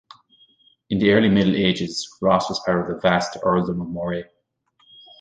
In the early Middle Ages, Ross was part of the vast earldom of Moray.